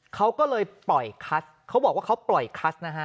เขาก็เลยปล่อยคัสเขาบอกว่าเขาปล่อยคัสนะฮะ